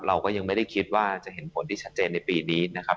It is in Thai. เราก็ยังไม่ได้คิดว่าจะเห็นผลที่ชัดเจนในปีนี้นะครับ